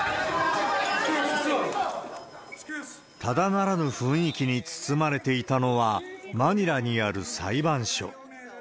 ただならぬ雰囲気に包まれていたのは、マニラにある裁判所。